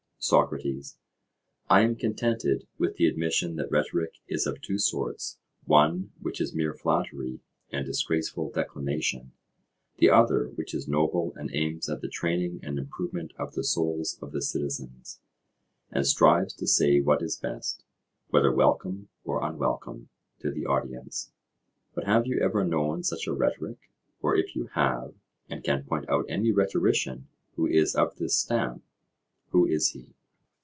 SOCRATES: I am contented with the admission that rhetoric is of two sorts; one, which is mere flattery and disgraceful declamation; the other, which is noble and aims at the training and improvement of the souls of the citizens, and strives to say what is best, whether welcome or unwelcome, to the audience; but have you ever known such a rhetoric; or if you have, and can point out any rhetorician who is of this stamp, who is he?